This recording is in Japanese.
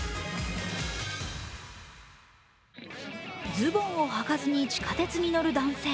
ズボンをはかずに地下鉄に乗る男性。